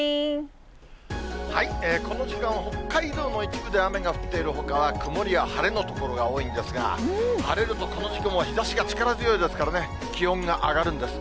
この時間は北海道の一部で雨が降っているほかは、曇りや晴れの所が多いんですが、晴れるとこの時期、日ざしが力強いですからね、気温が上がるんです。